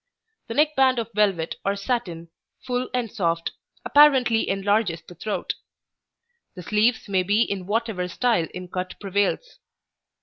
The neck band of velvet or satin, full and soft, apparently enlarges the throat. The sleeves may be in whatever style in cut prevails.